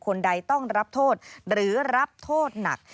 คนใดต้องรับโทษหรือรับโทษหนัก